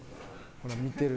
ほら見てる。